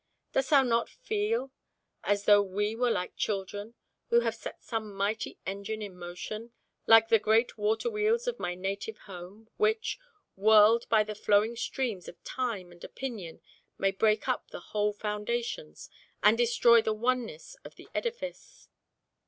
Dost thou not feel as though we were like children who have set some mighty engine in motion, like the great water wheels in my native home, which, whirled by the flowing streams of time and opinion, may break up the whole foundations, and destroy the oneness of the edifice?"